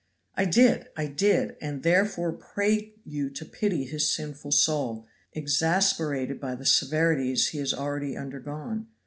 "I did! I did! and therefore pray you to pity his sinful soul, exasperated by the severities he has already undergone.